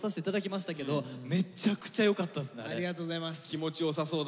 気持ちよさそうだった。